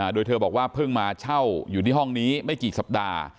โดยเธอบอกว่าเพิ่งมาเช่าอยู่ที่ห้องนี้ไม่กี่สัปดาห์